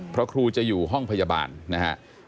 เพราะครูจะอยู่ห้องพยาบาลนะฮะ